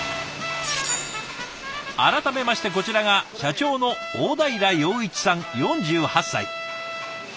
改めましてこちらが社長の大平洋一さん４８歳。